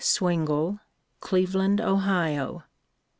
Sivingle, Cleveland, Ohio.